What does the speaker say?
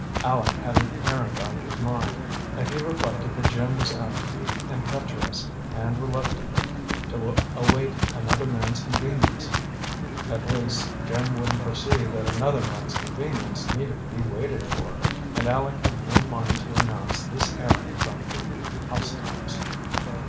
Aleck had an errand on his mind, and he reflected that Jim was apt to be impetuous and reluctant to await another man's convenience; at least, Jim wouldn't perceive that another man's convenience needed to be waited for; and Aleck had no mind to announce this errand from the housetops.